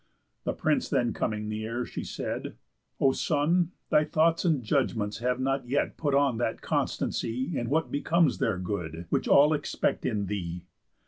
The prince then coming near, she said: "O son, Thy thoughts and judgments have not yet put on That constancy in what becomes their good, Which all expect in thee.